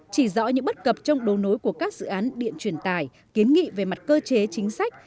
chỉ rõ những bất cập trong đấu nối của các dự án điện truyền tài kiến nghị về mặt cơ chế chính sách